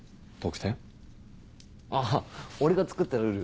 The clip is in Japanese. あぁ俺が作ったルール。